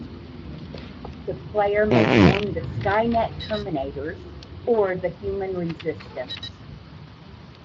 The player may join the Skynet terminators or the human resistance.